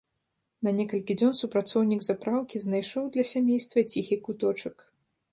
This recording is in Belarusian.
На некалькі дзён супрацоўнік запраўкі знайшоў для сямейства ціхі куточак.